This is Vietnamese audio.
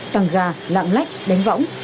tăng ga lạng lách đánh vọng